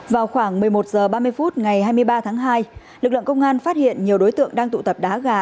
vào khoảng một mươi một h ba mươi phút ngày hai mươi ba tháng hai lực lượng công an phát hiện nhiều đối tượng đang tụ tập đá gà